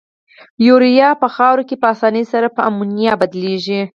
یوریا په خاوره کې په اساني سره په امونیا بدلیږي.